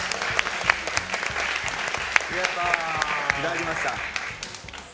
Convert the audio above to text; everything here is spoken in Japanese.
やりました！